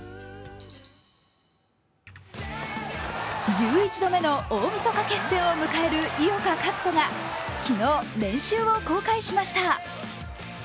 １１度目の大みそか決戦を迎える井岡一翔が昨日、練習を公開しました。